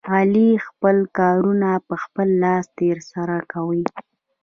علي خپل کارونه په خپل لاس ترسره کوي.